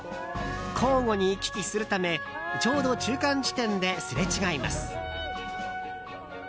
交互に行き来するためちょうど中間地点ですれ違います。